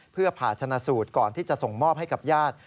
เพื่อผ่าชนะสูตรก่อนที่จะส่งมอบให้กับญาติ